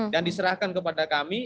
dan diserahkan kepada kami